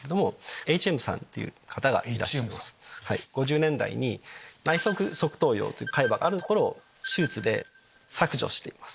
５０年代に内側側頭葉という海馬がある所を手術で削除しています。